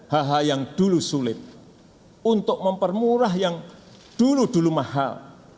hal hal yang dulu sulit untuk mempermurah yang dulu dulu mahal